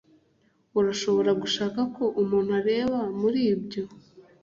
Urashobora gushaka ko umuntu areba muri ibyo.